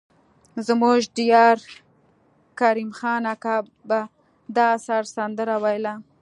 زموږ د ديار کرم خان اکا به د اشر سندره ويله.